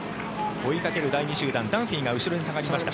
追いかける２位集団ダンフィーが後ろに下がりました。